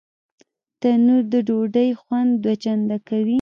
تنور د ډوډۍ خوند دوه چنده کوي